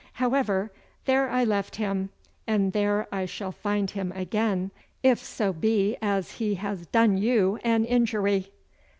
However, there I left him, and there I shall find him again if so be as he has done you an injury.